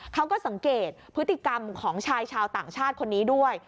เขาก็สังเกตพฤติกรรมของชายชาวต่างชาติคนนี้ด้วย